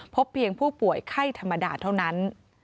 พบเพียงผู้ป่วยไข้ธรรมดาเท่านั้น